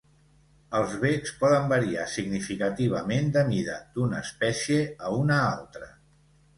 Els becs poden variar significativament de mida d'una espècie a una altra.